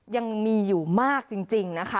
ยังมีอยู่มากจริงนะคะ